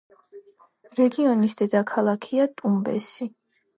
რეგიონის დედაქალაქია ტუმბესი.